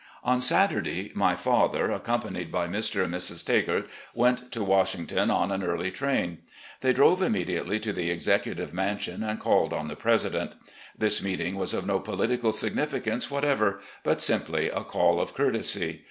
On Saturday, my father, accompanied by Mr. and Mrs. Tagart, went to Washington on an early train. They drove immediately to the Executive Mansion and called on the President. This meeting was of no political significance whatever, but simply a call of courtesy.